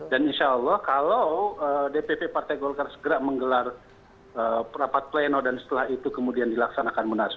dan insya allah kalau dpp partai golkar segera menggelar rapat pleno dan setelah itu kemudian dilaksanakan munaslup